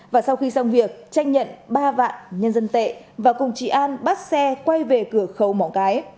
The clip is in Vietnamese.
và sau khi xong việc tranh nhận ba vạn nhân dân tệ và cùng chị an bắt xe quay về cửa khẩu móng cái